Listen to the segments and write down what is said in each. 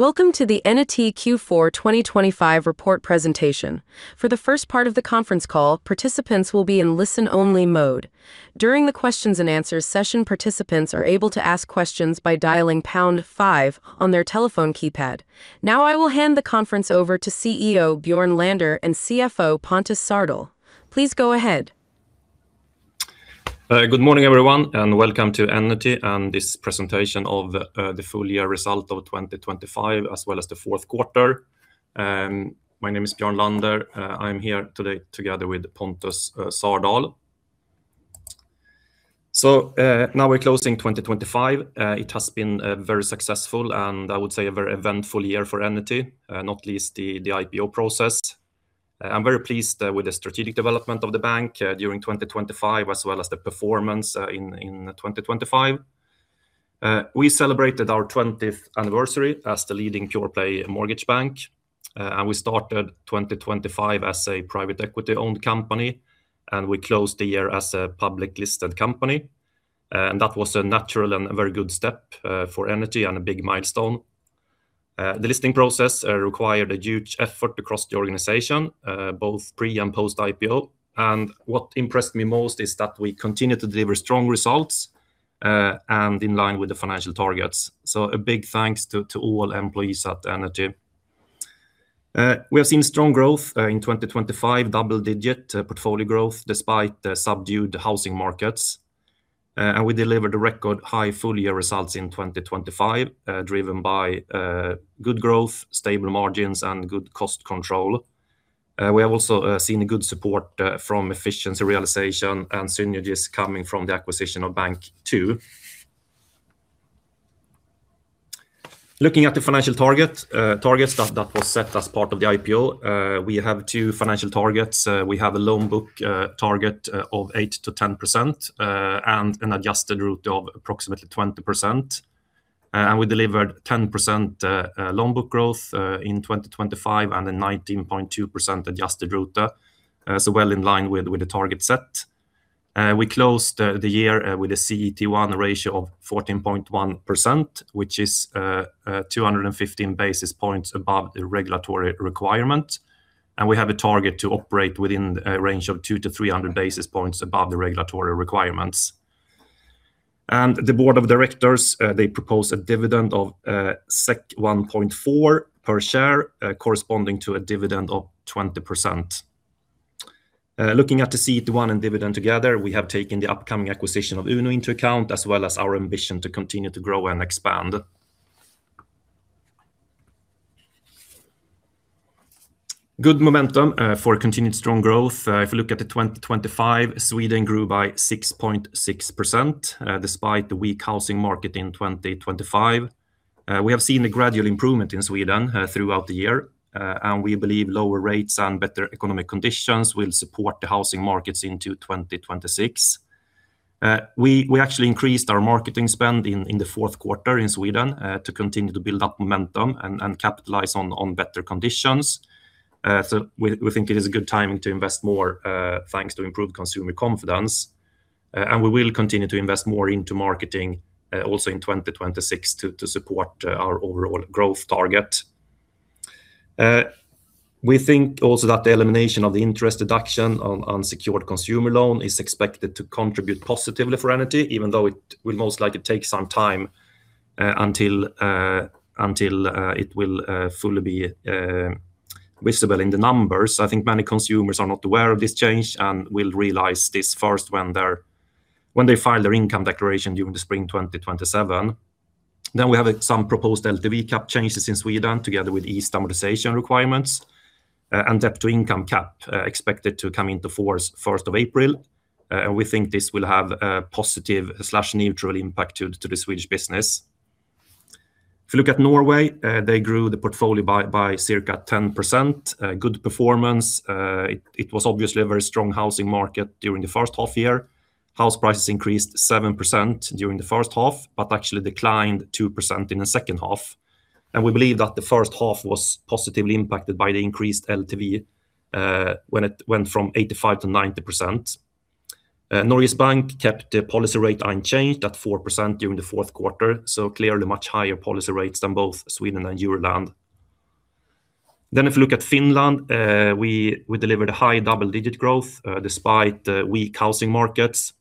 Welcome to the Enity Q4 2025 Report Presentation. For the first part of the conference call, participants will be in listen-only mode. During the questions and answers session, participants are able to ask questions by dialing pound five on their telephone keypad. Now, I will hand the conference over to CEO Björn Lander and CFO Pontus Särdal. Please go ahead. Good morning, everyone, and welcome to Enity and this presentation of the full year result of 2025, as well as the fourth quarter. My name is Björn Lander. I'm here today together with Pontus Särdal. So, now we're closing 2025. It has been very successful, and I would say a very eventful year for Enity, not least the IPO process. I'm very pleased with the strategic development of the bank during 2025, as well as the performance in 2025. We celebrated our 20th anniversary as the leading pure-play mortgage bank. And we started 2025 as a private equity-owned company, and we closed the year as a public listed company. And that was a natural and a very good step for Enity and a big milestone. The listing process required a huge effort across the organization, both pre and post IPO, and what impressed me most is that we continued to deliver strong results and in line with the financial targets. So a big thanks to all employees at Enity. We have seen strong growth in 2025, double-digit portfolio growth, despite the subdued housing markets, and we delivered a record high full year results in 2025, driven by good growth, stable margins, and good cost control. We have also seen a good support from efficiency realization and synergies coming from the acquisition of Bank2. Looking at the financial targets that was set as part of the IPO, we have two financial targets. We have a loan book target of 8%-10%, and an adjusted RoTE of approximately 20%. We delivered 10% loan book growth in 2025, and a 19.2% adjusted RoTE, so well in line with the target set. We closed the year with a CET1 ratio of 14.1%, which is 215 basis points above the regulatory requirement, and we have a target to operate within a range of 200-300 basis points above the regulatory requirements. The board of directors they propose a dividend of 1.4 per share, corresponding to a dividend of 20%. Looking at the CET1 and dividend together, we have taken the upcoming acquisition of Uno into account, as well as our ambition to continue to grow and expand. Good momentum for continued strong growth. If you look at 2025, Sweden grew by 6.6%, despite the weak housing market in 2025. We have seen a gradual improvement in Sweden throughout the year, and we believe lower rates and better economic conditions will support the housing markets into 2026. We actually increased our marketing spend in the fourth quarter in Sweden to continue to build up momentum and capitalize on better conditions. So we think it is a good timing to invest more, thanks to improved consumer confidence, and we will continue to invest more into marketing, also in 2026 to support our overall growth target. We think also that the elimination of the interest deduction on unsecured consumer loan is expected to contribute positively for Enity, even though it will most likely take some time until it will fully be visible in the numbers. I think many consumers are not aware of this change and will realize this first when they file their income declaration during the spring 2027. Then we have some proposed LTV cap changes in Sweden, together with eased amortization requirements, and debt-to-income cap, expected to come into force 1st of April. And we think this will have a positive/neutral impact to the Swedish business. If you look at Norway, they grew the portfolio by circa 10%, good performance. It was obviously a very strong housing market during the first half year. House prices increased 7% during the first half, but actually declined 2% in the second half, and we believe that the first half was positively impacted by the increased LTV when it went from 85%-90%. Norges Bank kept the policy rate unchanged at 4% during the fourth quarter, so clearly much higher policy rates than both Sweden and Euroland. If you look at Finland, we delivered a high double-digit growth despite weak housing markets.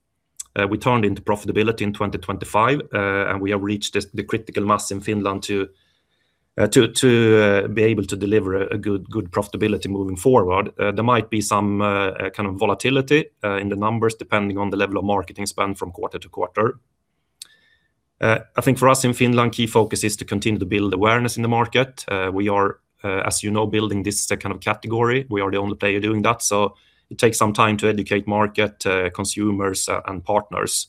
We turned into profitability in 2025, and we have reached the critical mass in Finland to be able to deliver a good profitability moving forward. There might be some kind of volatility in the numbers, depending on the level of marketing spend from quarter-to-quarter. I think for us in Finland, key focus is to continue to build awareness in the market. We are, as you know, building this second of category. We are the only player doing that, so it takes some time to educate market, consumers, and partners.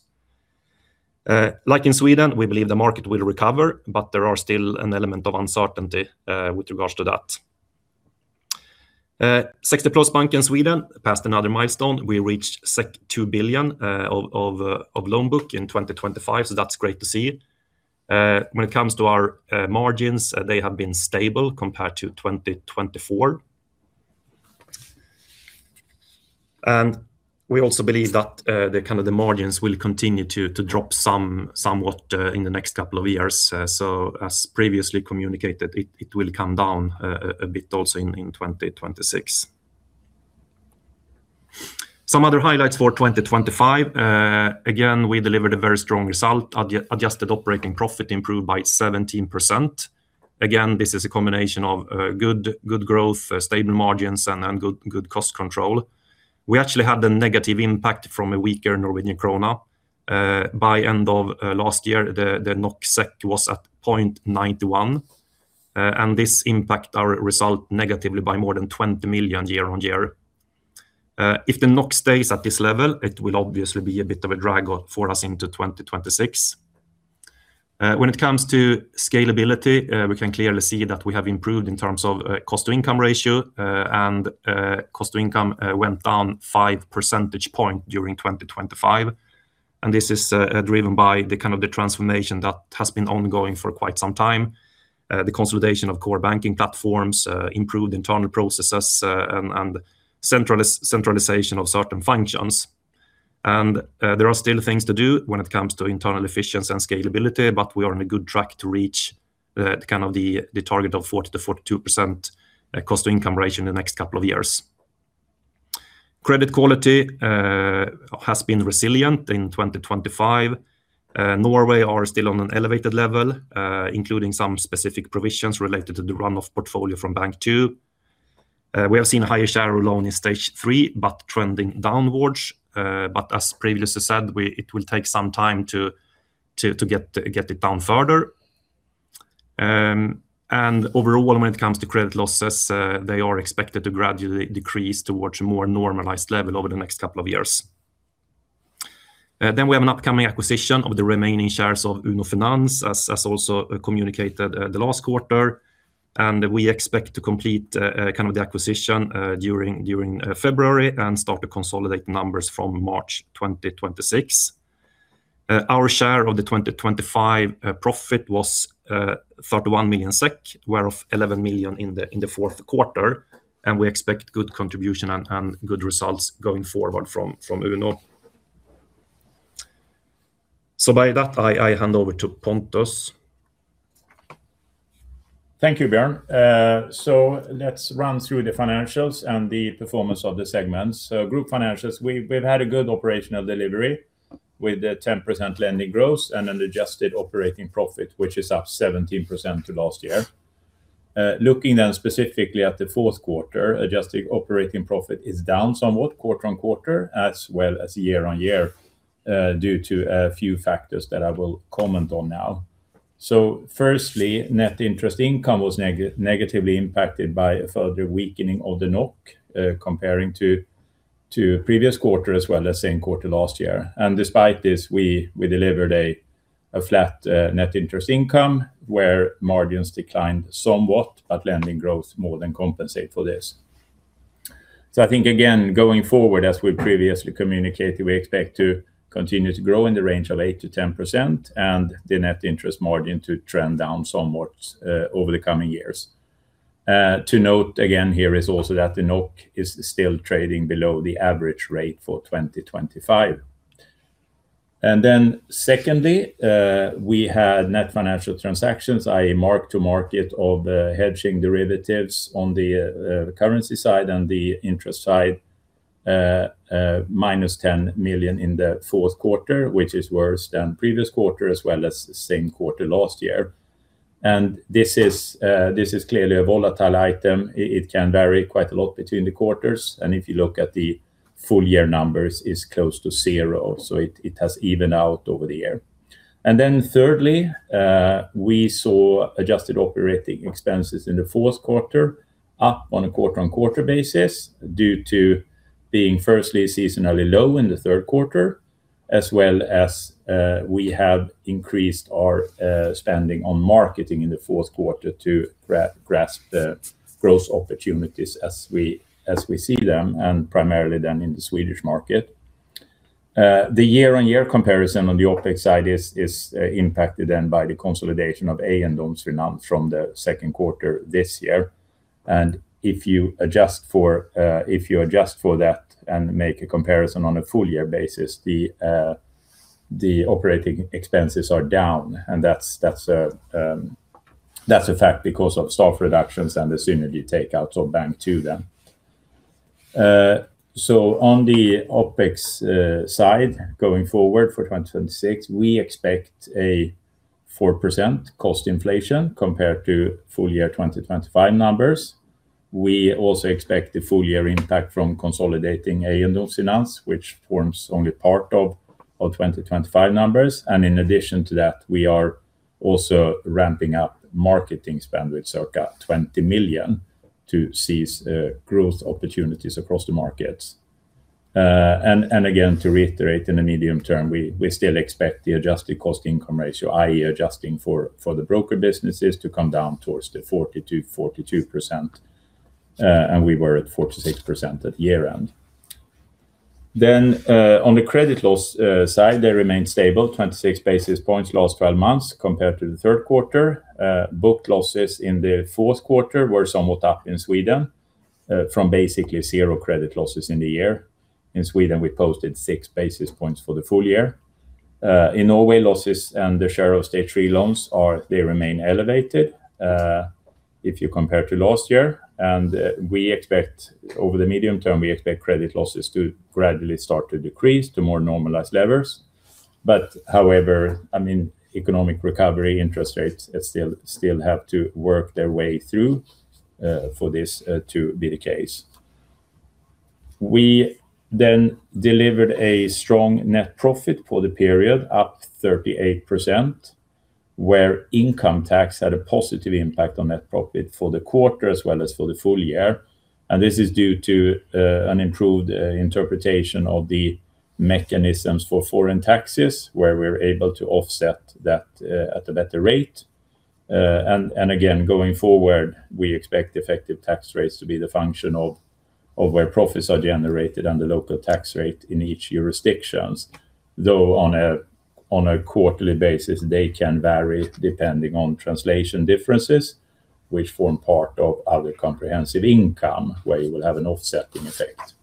Like in Sweden, we believe the market will recover, but there are still an element of uncertainty with regards to that. 60plusbanken in Sweden passed another milestone. We reached 2 billion of loan book in 2025, so that's great to see. When it comes to our margins, they have been stable compared to 2024. And we also believe that the kind of the margins will continue to drop somewhat in the next couple of years. So as previously communicated, it will come down a bit also in 2026. Some other highlights for 2025, again, we delivered a very strong result. Adjusted operating profit improved by 17%. Again, this is a combination of good growth, stable margins, and good cost control. We actually had a negative impact from a weaker Norwegian krona. By the end of last year, the NOK/SEK was at 0.91, and this impacted our results negatively by more than 20 million year-on-year. If the NOK stays at this level, it will obviously be a bit of a drag for us into 2026. When it comes to scalability, we can clearly see that we have improved in terms of cost-to-income ratio, and cost-to-income went down 5 percentage points during 2025. And this is driven by the kind of transformation that has been ongoing for quite some time. The consolidation of core banking platforms, improved internal processes, and centralization of certain functions. There are still things to do when it comes to internal efficiency and scalability, but we are on a good track to reach kind of the target of 40%-42% cost-to-income ratio in the next couple of years. Credit quality has been resilient in 2025. Norway are still on an elevated level, including some specific provisions related to the run-off portfolio from Bank2. We have seen a higher share of loans in Stage 3, but trending downwards. As previously said, it will take some time to get it down further. Overall, when it comes to credit losses, they are expected to gradually decrease towards a more normalized level over the next couple of years. Then we have an upcoming acquisition of the remaining shares of Uno Finans, as also communicated the last quarter. We expect to complete kind of the acquisition during February and start to consolidate numbers from March 2026. Our share of the 2025 profit was 31 million SEK, whereof 11 million in the fourth quarter, and we expect good contribution and good results going forward from Uno. So by that, I hand over to Pontus. Thank you, Björn. So let's run through the financials and the performance of the segments. Group financials, we've had a good operational delivery with 10% lending growth and an Adjusted Operating Profit, which is up 17% to last year. Looking then specifically at the fourth quarter, Adjusted Operating Profit is down somewhat quarter-on-quarter, as well as year-on-year, due to a few factors that I will comment on now. Firstly, Net Interest Income was negatively impacted by a further weakening of the NOK, comparing to previous quarter, as well as same quarter last year. And despite this, we delivered a flat Net Interest Income, where margins declined somewhat, but lending growth more than compensate for this. So I think, again, going forward, as we previously communicated, we expect to continue to grow in the range of 8%-10%, and the net interest margin to trend down somewhat over the coming years. To note, again, here is also that the NOK is still trading below the average rate for 2025. And then secondly, we had net financial transactions, i.e., mark-to-market of hedging derivatives on the currency side and the interest side, minus 10 million in the fourth quarter, which is worse than previous quarter, as well as the same quarter last year. And this is clearly a volatile item. It can vary quite a lot between the quarters, and if you look at the full year numbers, it's close to zero, so it has even out over the year. And then thirdly, we saw adjusted operating expenses in the fourth quarter, up on a quarter-on-quarter basis, due to being firstly seasonally low in the third quarter, as well as, we have increased our spending on marketing in the fourth quarter to grasp the growth opportunities as we see them, and primarily then in the Swedish market. The year-on-year comparison on the OpEx side is impacted then by the consolidation of Eiendomsfinans from the second quarter this year. And if you adjust for that and make a comparison on a full year basis, the operating expenses are down, and that's a fact because of staff reductions and the synergy takeouts of Bank2, then. So on the OpEx side, going forward for 2026, we expect a 4% cost inflation compared to full year 2025 numbers. We also expect the full year impact from consolidating Eiendomsfinans, which forms only part of twenty twenty-five numbers. And in addition to that, we are also ramping up marketing spend with circa 20 million to seize growth opportunities across the markets. And again, to reiterate, in the medium term, we still expect the adjusted cost income ratio, i.e., adjusting for the broker businesses, to come down towards the 40%-42%. And we were at 46% at year-end. Then on the credit loss side, they remained stable, 26 basis points last twelve months compared to the third quarter. Booked losses in the fourth quarter were somewhat up in Sweden from basically zero credit losses in the year. In Sweden, we posted six basis points for the full year. In Norway, losses and the share of Stage 3 loans are, they remain elevated if you compare to last year, and we expect over the medium term, we expect credit losses to gradually start to decrease to more normalized levels. But however, I mean, economic recovery interest rates still, still have to work their way through for this to be the case. We then delivered a strong net profit for the period, up 38%, where income tax had a positive impact on net profit for the quarter, as well as for the full year, and this is due to an improved interpretation of the mechanisms for foreign taxes, where we're able to offset that at a better rate. And again, going forward, we expect effective tax rates to be the function of where profits are generated and the local tax rate in each jurisdictions, though on a quarterly basis, they can vary depending on translation differences, which form part of our comprehensive income, where you will have an offsetting effect.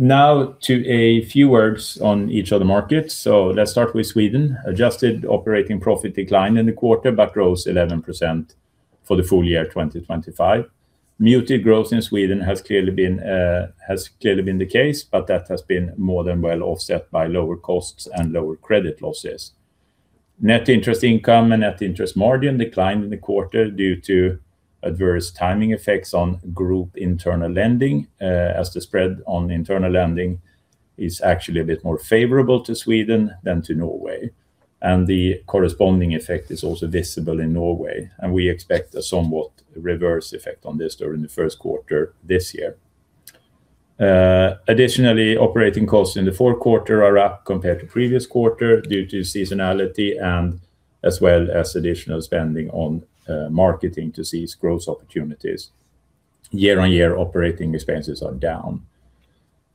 Now to a few words on each of the markets. So let's start with Sweden. Adjusted operating profit declined in the quarter, but grows 11% for the full year 2025. Muted growth in Sweden has clearly been has clearly been the case, but that has been more than well offset by lower costs and lower credit losses. Net interest income and net interest margin declined in the quarter due to adverse timing effects on group internal lending, as the spread on internal lending is actually a bit more favorable to Sweden than to Norway, and the corresponding effect is also visible in Norway, and we expect a somewhat reverse effect on this during the first quarter this year. Additionally, operating costs in the fourth quarter are up compared to previous quarter due to seasonality and as well as additional spending on marketing to seize growth opportunities. Year-on-year operating expenses are down.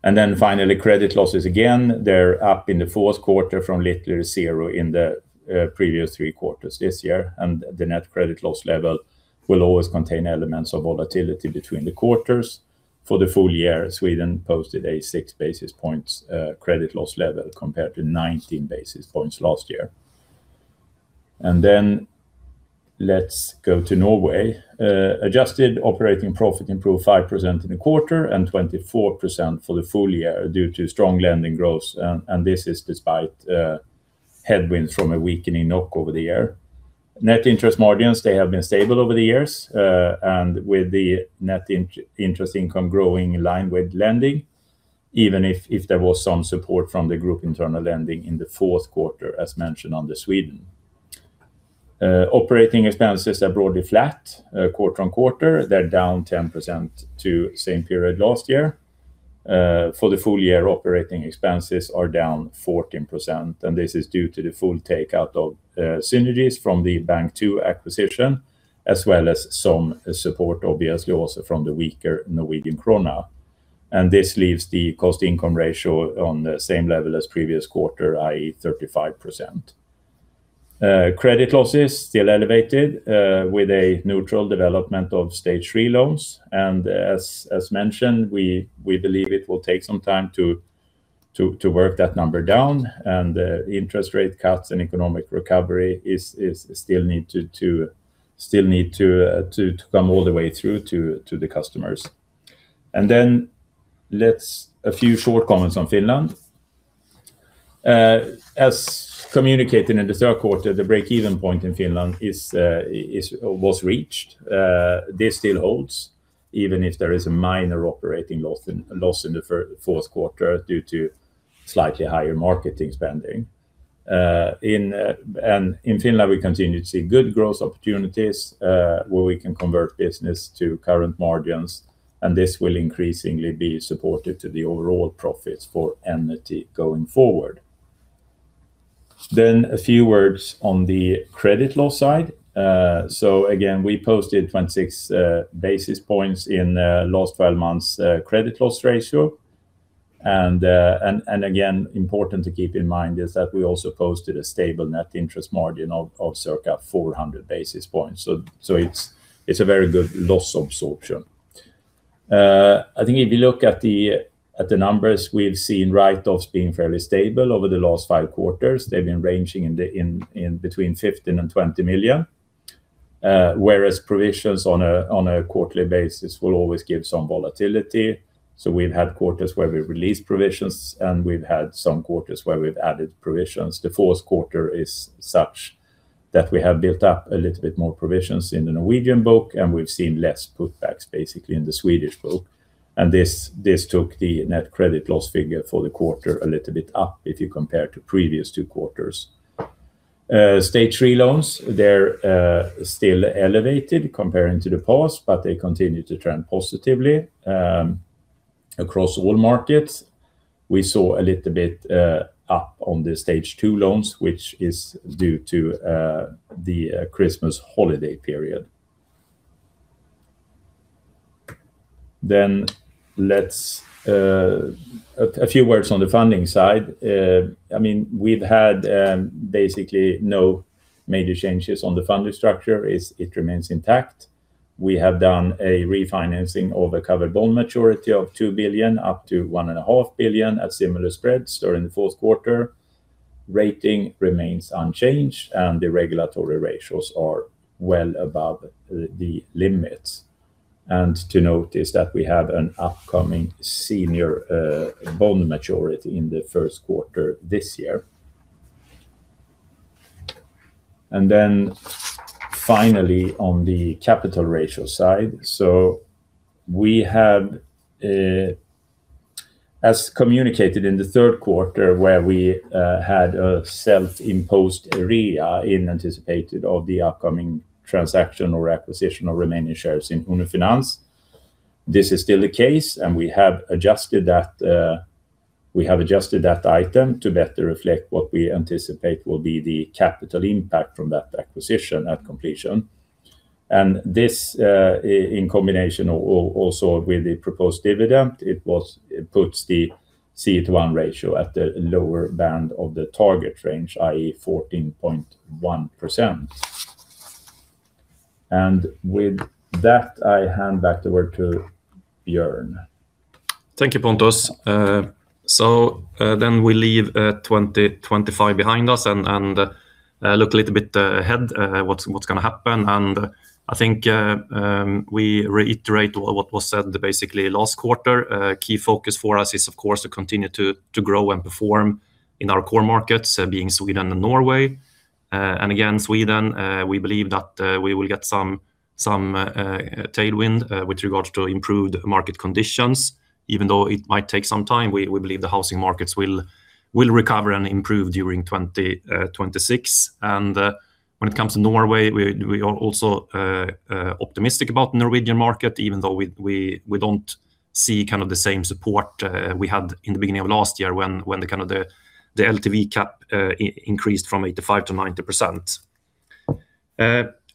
And then finally, credit losses again, they're up in the fourth quarter from literally zero in the previous three quarters this year, and the net credit loss level will always contain elements of volatility between the quarters. For the full year, Sweden posted a 6 basis points credit loss level compared to 19 basis points last year. And then let's go to Norway. Adjusted operating profit improved 5% in the quarter and 24% for the full year due to strong lending growth, and this is despite headwinds from a weakening NOK over the year. Net interest margins, they have been stable over the years, and with the net interest income growing in line with lending, even if there was some support from the group internal lending in the fourth quarter, as mentioned under Sweden. Operating expenses are broadly flat, quarter-over-quarter. They're down 10% to same period last year. For the full year, operating expenses are down 14%, and this is due to the full take out of synergies from the Bank2 acquisition, as well as some support, obviously, also from the weaker Norwegian krone. And this leaves the cost-to-income ratio on the same level as previous quarter, i.e., 35%. Credit losses still elevated, with a neutral development of Stage 3 loans, and as mentioned, we believe it will take some time to work that number down, and interest rate cuts and economic recovery is still need to come all the way through to the customers. And then, a few short comments on Finland. As communicated in the third quarter, the break-even point in Finland was reached. This still holds, even if there is a minor operating loss in the fourth quarter due to slightly higher marketing spending. And in Finland, we continue to see good growth opportunities, where we can convert business to current margins, and this will increasingly be supportive to the overall profits for Enity going forward. Then, a few words on the credit loss side. So again, we posted 26 basis points in last five months credit loss ratio. And again, important to keep in mind is that we also posted a stable net interest margin of circa 400 basis points. So it's a very good loss absorption. I think if you look at the numbers, we've seen write-offs being fairly stable over the last five quarters. They've been ranging between 15 million and 20 million. Whereas provisions on a quarterly basis will always give some volatility. So we've had quarters where we've released provisions, and we've had some quarters where we've added provisions. The fourth quarter is such that we have built up a little bit more provisions in the Norwegian book, and we've seen less pushbacks basically in the Swedish book, and this took the net credit loss figure for the quarter a little bit up, if you compare to previous two quarters. Stage 3 loans, they're still elevated comparing to the past, but they continue to trend positively across all markets. We saw a little bit up on the Stage 2 loans, which is due to the Christmas holiday period. Then let's a few words on the funding side. I mean, we've had basically no major changes on the funding structure; it remains intact. We have done a refinancing of the covered bond maturity of 2 billion up to 1.5 billion at similar spreads during the fourth quarter. Rating remains unchanged, and the regulatory ratios are well above the limits. And to note is that we have an upcoming senior bond maturity in the first quarter this year. And then finally, on the capital ratio side, so we have as communicated in the third quarter, where we had a self-imposed REA in anticipation of the upcoming transaction or acquisition of remaining shares in Uno Finans. This is still the case, and we have adjusted that, we have adjusted that item to better reflect what we anticipate will be the capital impact from that acquisition at completion. And this, in combination also with the proposed dividend, it was, it puts the CET1 ratio at the lower band of the target range, i.e., 14.1%. And with that, I hand back the word to Björn. Thank you, Pontus. So, then we leave 2025 behind us and look a little bit ahead, what's gonna happen. I think we reiterate what was said basically last quarter. Key focus for us is, of course, to continue to grow and perform in our core markets, being Sweden and Norway. And again, Sweden, we believe that we will get some tailwind with regards to improved market conditions, even though it might take some time. We believe the housing markets will recover and improve during 2026. When it comes to Norway, we are also optimistic about the Norwegian market, even though we don't see kind of the same support we had in the beginning of last year when the kind of the LTV cap increased from 85%-90%.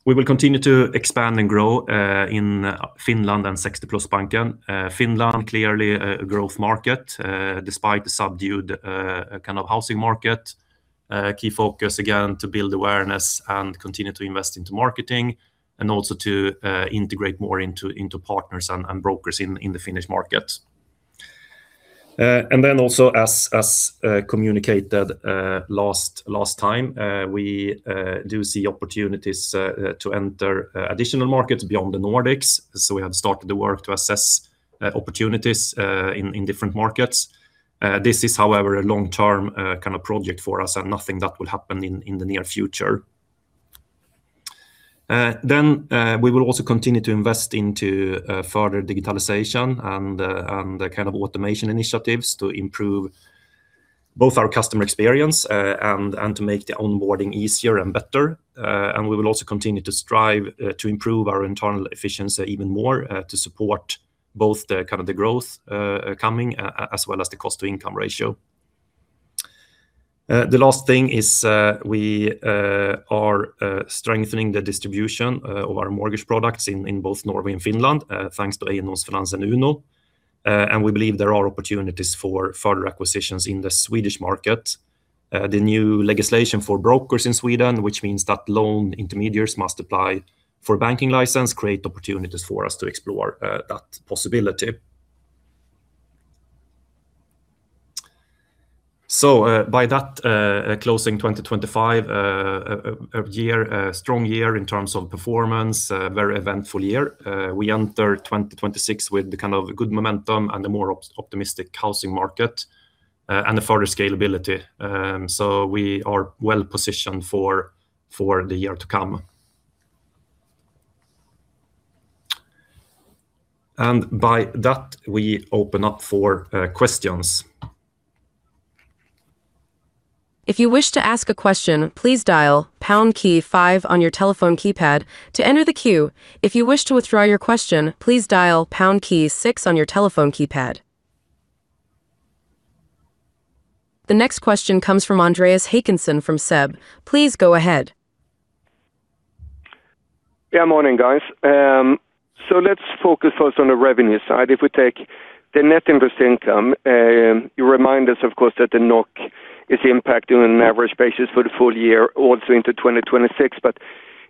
We will continue to expand and grow in Finland and 60plusbanken. Finland, clearly a growth market, despite the subdued kind of housing market. Key focus, again, to build awareness and continue to invest into marketing, and also to integrate more into partners and brokers in the Finnish market. And then also as communicated last time, we do see opportunities to enter additional markets beyond the Nordics. So we have started the work to assess opportunities in different markets. This is, however, a long-term kind of project for us, and nothing that will happen in the near future. We will also continue to invest into further digitalization and the kind of automation initiatives to improve both our customer experience and to make the onboarding easier and better. And we will also continue to strive to improve our internal efficiency even more to support both the kind of the growth coming, as well as the cost-to-income ratio. The last thing is, we are strengthening the distribution of our mortgage products in both Norway and Finland, thanks to Eiendomsfinans and Uno Finans, and we believe there are opportunities for further acquisitions in the Swedish market. The new legislation for brokers in Sweden, which means that loan intermediaries must apply for a banking license, create opportunities for us to explore that possibility. So, by that, closing 2025, a year, a strong year in terms of performance, a very eventful year, we enter 2026 with the kind of good momentum and the more optimistic housing market, and the further scalability. So we are well positioned for the year to come. And by that, we open up for questions. If you wish to ask a question, please dial pound key five on your telephone keypad to enter the queue. If you wish to withdraw your question, please dial pound key six on your telephone keypad. The next question comes from Andreas Håkansson from SEB. Please go ahead. Yeah, morning, guys. So let's focus first on the revenue side. If we take the net interest income, you remind us, of course, that the NOK is impacting an average basis for the full year, also into 2026. But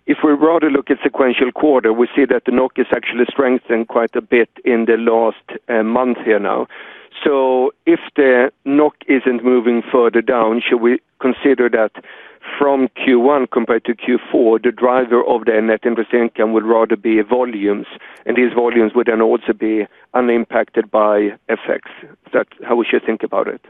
if we rather look at sequential quarter, we see that the NOK is actually strengthened quite a bit in the last month here now. So if the NOK isn't moving further down, should we consider that from Q1 compared to Q4, the driver of the net interest income would rather be volumes, and these volumes would then also be unimpacted by effects? Is that how we should think about it?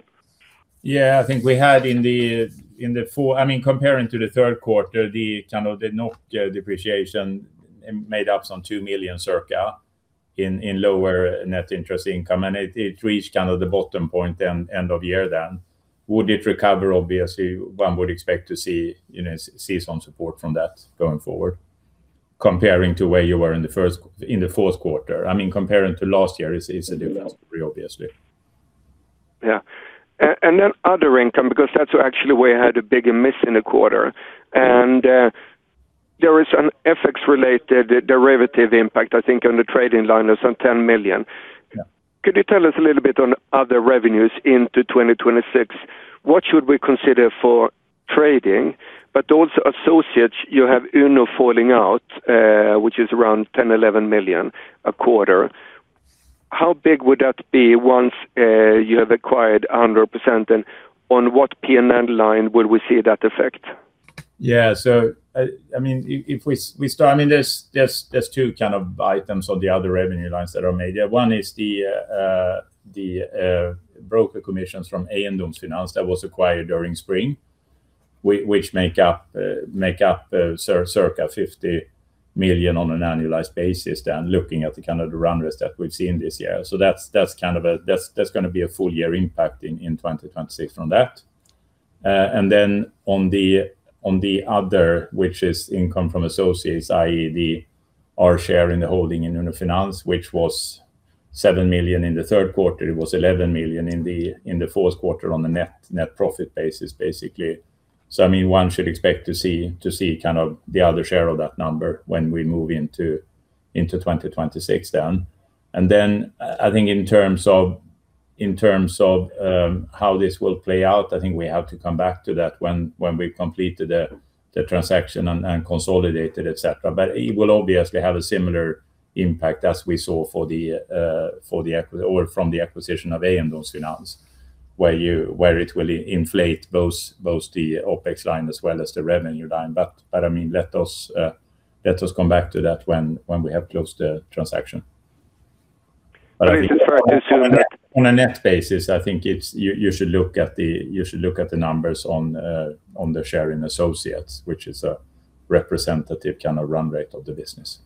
Yeah, I think we had. I mean, comparing to the third quarter, the kind of the NOK depreciation made up some 2 million circa in lower net interest income, and it reached kind of the bottom point then end of year then. Would it recover? Obviously, one would expect to see, you know, see some support from that going forward, comparing to where you were in the fourth quarter. I mean, comparing to last year is a different story, obviously. Yeah. And then other income, because that's actually where I had a bigger miss in the quarter. And there is an FX related derivative impact, I think, on the trading line of some 10 million. Yeah. Could you tell us a little bit on other revenues into 2026? What should we consider for trading, but also associates, you have Uno falling out, which is around 10 million- 11 million a quarter. How big would that be once you have acquired 100%, and on what PNL line would we see that effect? Yeah. So, if we start. I mean, there's two kind of items on the other revenue lines that are made there. One is the broker commissions from Eiendomsfinans that was acquired during spring, which make up circa 50 million on an annualized basis, then looking at the kind of the run rates that we've seen this year. So that's kind of a-- that's gonna be a full year impact in 2026 from that. And then on the other, which is income from associates, i.e., our share in the holding in Uno Finans, which was 7 million in the third quarter. It was 11 million in the fourth quarter on the net profit basis, basically. So I mean, one should expect to see kind of the other share of that number when we move into 2026 then. And then I think in terms of how this will play out, I think we have to come back to that when we've completed the transaction and consolidated, et cetera. But it will obviously have a similar impact as we saw for the acquisition of Eiendomsfinans, where it will inflate both the OpEx line as well as the revenue line. But I mean, let us come back to that when we have closed the transaction. But I think- It affects the net? On a net basis, I think it's. You should look at the numbers on the share in associates, which is a representative kind of run rate of the business.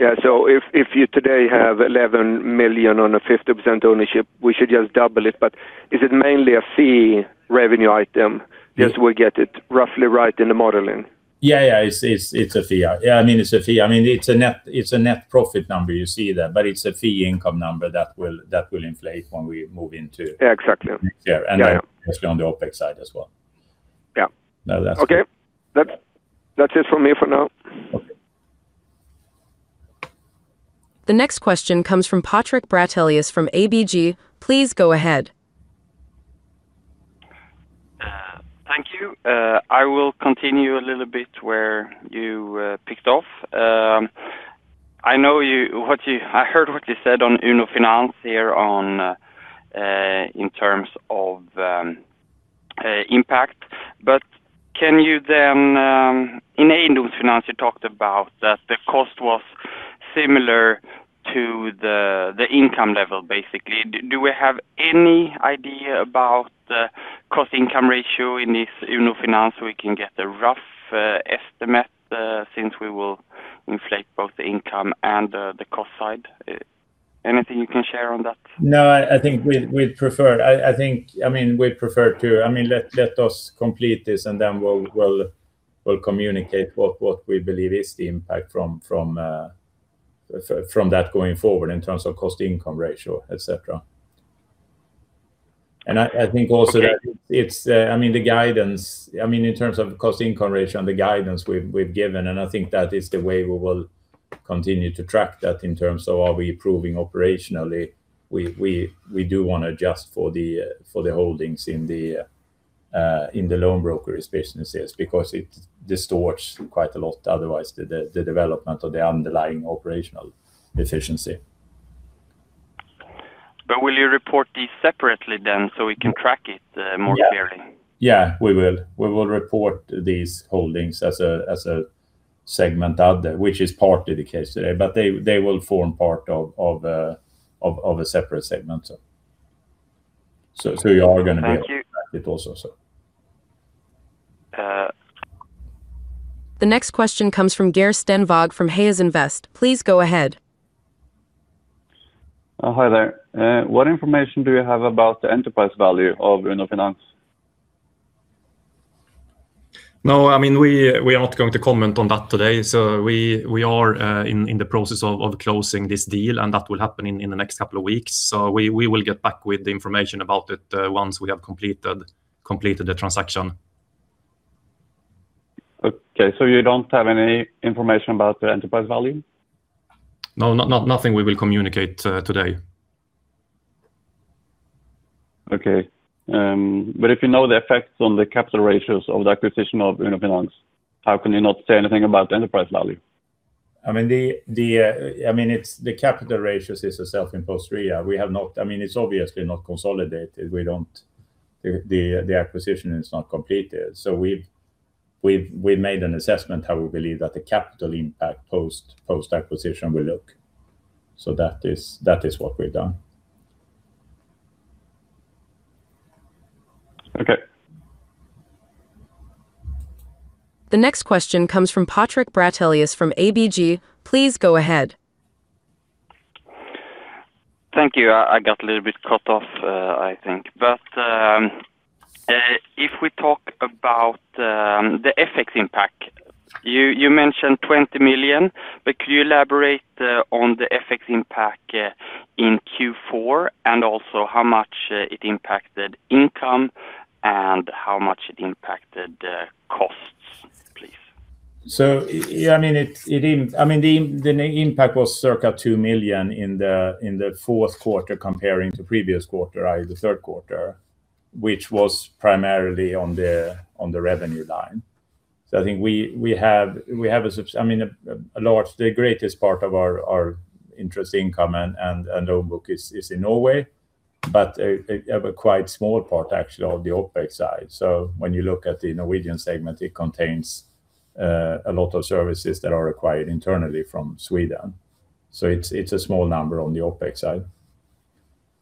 Yeah. So if you today have 11 million on a 50% ownership, we should just double it. But is it mainly a fee revenue item? Yeah. Just we get it roughly right in the modeling. Yeah, yeah. It's a fee. Yeah. I mean, it's a fee. I mean, it's a net profit number you see there, but it's a fee income number that will inflate when we move into- Yeah, exactly -next year. Yeah. And obviously on the OpEx side as well. Yeah. Now that's- Okay. That's, that's it from me for now. Okay. The next question comes from Patrik Brattelius from ABG. Please go ahead. Thank you. I will continue a little bit where you picked off. I know you, what you. I heard what you said on Uno Finans here on in terms of impact, but can you then. In Eiendomsfinans, you talked about that the cost was similar to the income level, basically. Do we have any idea about the cost income ratio in this Uno Finans, we can get a rough estimate, since we will inflate both the income and the cost side? Anything you can share on that? No, I think we'd prefer. I think, I mean, we'd prefer to. I mean, let us complete this, and then we'll communicate what we believe is the impact from that going forward in terms of cost to income ratio, et cetera. And I think also that- Okay It's, I mean, the guidance, I mean, in terms of the cost income ratio and the guidance we've given, and I think that is the way we will continue to track that in terms of are we improving operationally. We do want to adjust for the holdings in the loan brokerage businesses because it distorts quite a lot, otherwise, the development of the underlying operational efficiency. But will you report these separately then, so we can track it more clearly? Yeah. Yeah, we will. We will report these holdings as a segment out there, which is partly the case today, but they will form part of a separate segment, so you are gonna be- Thank you able to track it also, so. Uh. The next question comes from Geir Stenvåg from Hayes Invest. Please go ahead. Hi there. What information do you have about the enterprise value of Uno Finans? No, I mean, we are not going to comment on that today. So we are in the process of closing this deal, and that will happen in the next couple of weeks. So we will get back with the information about it once we have completed the transaction. Okay. So you don't have any information about the enterprise value? No, not, not, nothing we will communicate today. Okay. But if you know the effects on the capital ratios of the acquisition of Uno Finans, how can you not say anything about the enterprise value? I mean, it's the capital ratios is a self-imposed area. We have not. I mean, it's obviously not consolidated. We don't. The acquisition is not completed. So we've made an assessment how we believe that the capital impact post-acquisition will look. So that is what we've done. Okay. The next question comes from Patrik Brattelius from ABG. Please go ahead. Thank you. I got a little bit cut off, I think. But talk about the FX impact. You mentioned 20 million, but could you elaborate on the FX impact in Q4, and also how much it impacted income and how much it impacted costs, please? So, yeah, I mean, I mean, the impact was circa 2 million in the fourth quarter comparing to previous quarter, i.e., the third quarter, which was primarily on the revenue line. So I think we have—I mean, a large, the greatest part of our interest income and loan book is in Norway, but have a quite small part actually of the OpEx side. So when you look at the Norwegian segment, it contains a lot of services that are acquired internally from Sweden, so it's a small number on the OpEx side.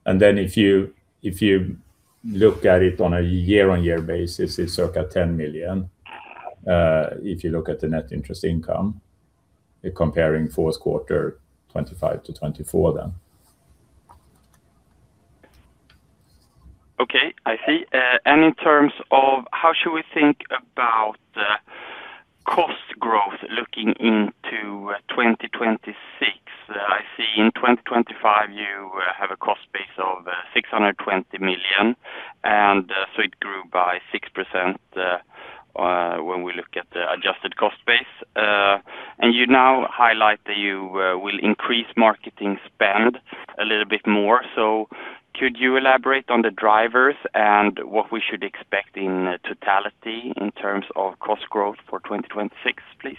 And then if you look at it on a year-on-year basis, it's circa 10 million, if you look at the net interest income, comparing fourth quarter 2025 to 2024 then. Okay, I see. And in terms of how should we think about cost growth looking into 2026? I see in 2025, you have a cost base of 620 million, and so it grew by 6%, when we look at the adjusted cost base. And you now highlight that you will increase marketing spend a little bit more. So could you elaborate on the drivers and what we should expect in totality in terms of cost growth for 2026, please?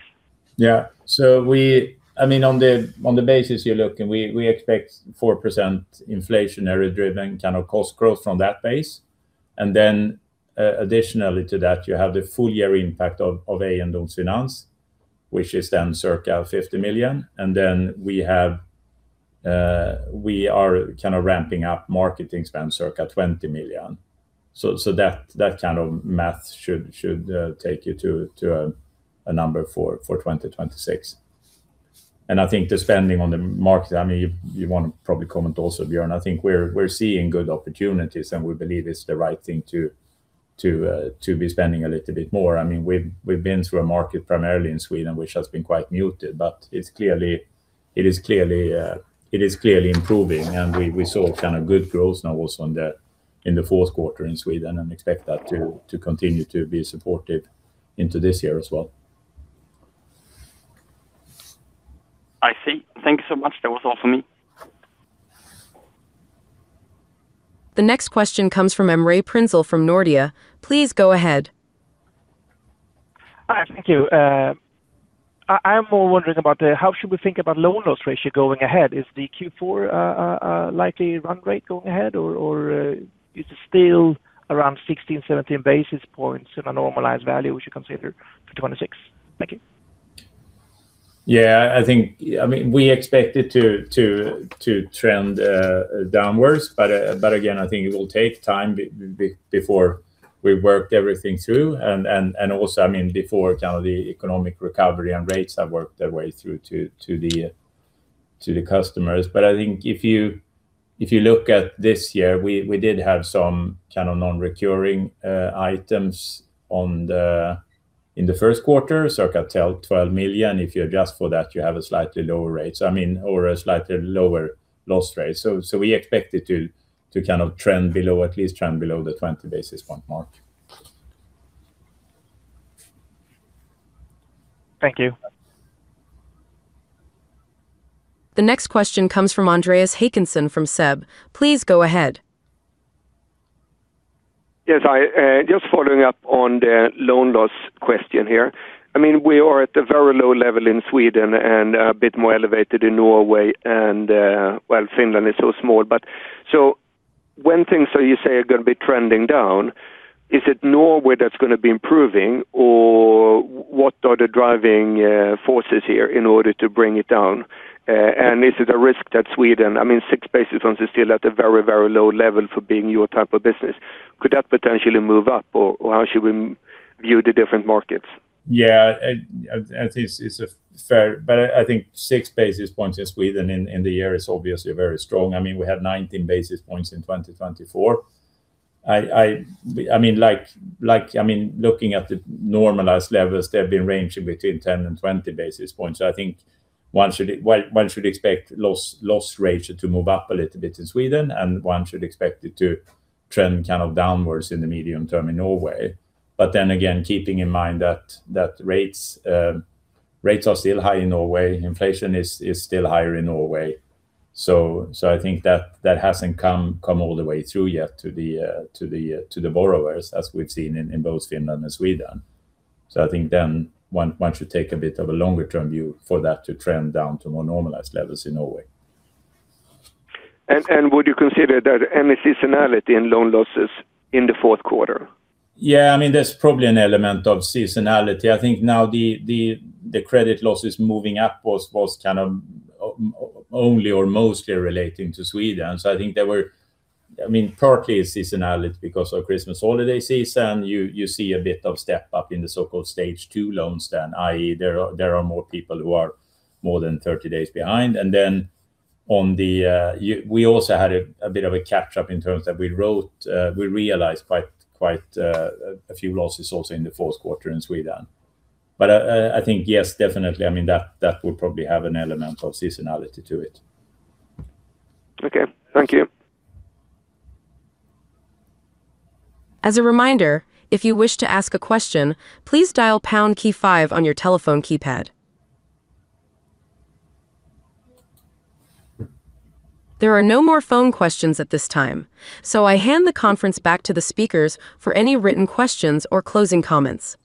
Yeah. So we—I mean, on the basis you're looking, we expect 4% inflationary driven kind of cost growth from that base. And then, additionally to that, you have the full year impact of Eiendomsfinans, which is then circa 50 million. And then we have, we are kind of ramping up marketing spend circa 20 million. So that kind of math should take you to a number for 2026. And I think the spending on the market, I mean, you want to probably comment also, Björn. I think we're seeing good opportunities, and we believe it's the right thing to be spending a little bit more. I mean, we've been through a market primarily in Sweden, which has been quite muted, but it's clearly improving, and we saw kind of good growth now also on that in the fourth quarter in Sweden and expect that to continue to be supportive into this year as well. I see. Thank you so much. That was all for me. The next question comes from Emre Prinzell from Nordea. Please go ahead. Hi, thank you. I'm more wondering about how should we think about loan loss ratio going ahead? Is the Q4 likely run rate going ahead, or is it still around 16, 17 basis points in a normalized value we should consider for 2026? Thank you. Yeah, I think. I mean, we expect it to trend downwards, but again, I think it will take time before we've worked everything through. And also, I mean, before kind of the economic recovery and rates have worked their way through to the customers. But I think if you look at this year, we did have some kind of non-recurring items in the first quarter, circa 12 million. If you adjust for that, you have a slightly lower rate, so I mean, or a slightly lower loss rate. So we expect it to kind of trend below, at least trend below the 20 basis point mark. Thank you. The next question comes from Andreas Håkansson from SEB. Please go ahead. Yes, I just following up on the loan loss question here. I mean, we are at a very low level in Sweden and a bit more elevated in Norway and. well, Finland is so small. But so when things, so you say, are gonna be trending down, is it Norway that's gonna be improving, or what are the driving forces here in order to bring it down? And is it a risk that Sweden, I mean, 6 basis points is still at a very, very low level for being your type of business. Could that potentially move up, or how should we view the different markets? Yeah, it is, it's a fair. But I think 6 basis points in Sweden in the year is obviously very strong. I mean, we had 19 basis points in 2024. I mean, like, I mean, looking at the normalized levels, they've been ranging between 10 and 20 basis points. So I think one should, one should expect loss ratio to move up a little bit in Sweden, and one should expect it to trend kind of downwards in the medium term in Norway. But then again, keeping in mind that rates are still high in Norway, inflation is still higher in Norway. So I think that hasn't come all the way through yet to the borrowers, as we've seen in both Finland and Sweden. So I think then one should take a bit of a longer-term view for that to trend down to more normalized levels in Norway. Would you consider there any seasonality in loan losses in the fourth quarter? Yeah, I mean, there's probably an element of seasonality. I think now the credit losses moving up was kind of only or mostly relating to Sweden. So I think there were, I mean, partly it's seasonality because of Christmas holiday season. You see a bit of step up in the so-called Stage 2 loans then, i.e., there are more people who are more than 30 days behind. And then we also had a bit of a catch up in terms that we wrote, we realized quite a few losses also in the fourth quarter in Sweden. But I think, yes, definitely, I mean, that will probably have an element of seasonality to it. Okay, thank you. As a reminder, if you wish to ask a question, please dial # key five on your telephone keypad. There are no more phone questions at this time, so I hand the conference back to the speakers for any written questions or closing comments.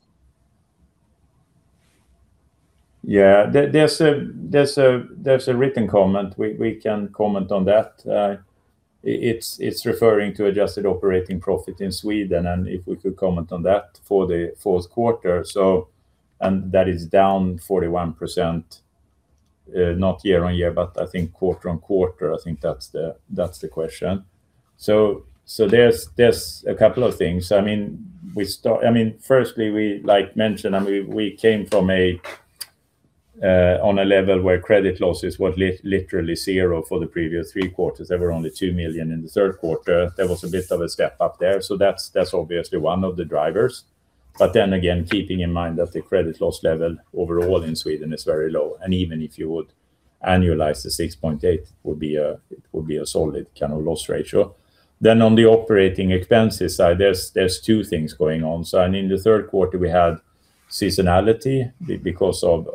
Yeah, there's a written comment. We can comment on that. It's referring to Adjusted Operating Profit in Sweden, and if we could comment on that for the fourth quarter. And that is down 41%, not year-on-year, but I think quarter-on-quarter. I think that's the question. So there's a couple of things. I mean, we start. I mean, firstly, we like mentioned, I mean, we came from a level where credit losses were literally zero for the previous three quarters. There were only 2 million in the third quarter. There was a bit of a step up there, so that's obviously one of the drivers. But then again, keeping in mind that the credit loss level overall in Sweden is very low, and even if you would annualize the 6.8, it would be a, it would be a solid kind of loss ratio. Then on the operating expenses side, there's two things going on. So and in the third quarter, we had seasonality because of,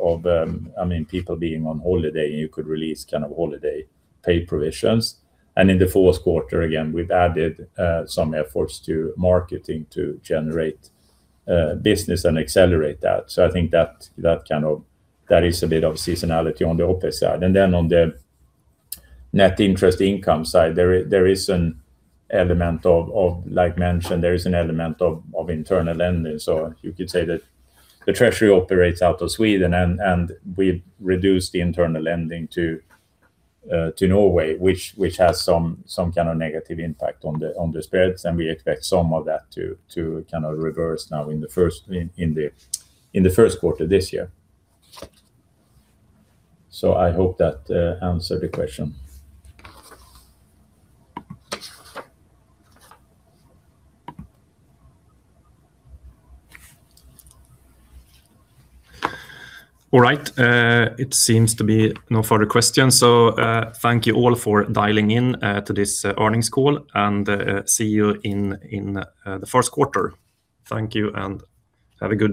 I mean, people being on holiday, and you could release kind of holiday pay provisions. And in the fourth quarter, again, we've added some efforts to marketing to generate business and accelerate that. So I think that, that kind of, that is a bit of seasonality on the opex side. And then on the net interest income side, there is an element of, like mentioned, there is an element of internal lending. So you could say that the treasury operates out of Sweden, and we've reduced the internal lending to Norway, which has some kind of negative impact on the spreads, and we expect some of that to kind of reverse now in the first quarter this year. So I hope that answered the question. All right, it seems to be no further questions. So, thank you all for dialing in to this earnings call, and see you in the first quarter. Thank you, and have a good day.